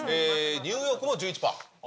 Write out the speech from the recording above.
ニューヨークも１１パー？